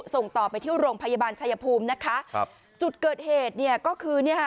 ส่งต่อไปที่โรงพยาบาลชายภูมินะคะครับจุดเกิดเหตุเนี่ยก็คือเนี่ยฮะ